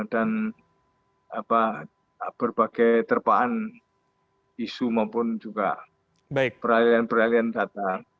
dan berbagai terpaan isu maupun juga peralihan peralihan data